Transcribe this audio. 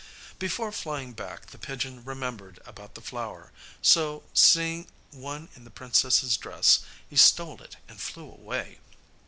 Before flying back the pigeon remembered about the flower, so, seeing one in the princess's dress, he stole it and flew away.